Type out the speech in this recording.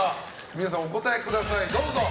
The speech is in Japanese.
皆さん、お答えください。